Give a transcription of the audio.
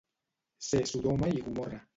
Ser Sodoma i Gomorra.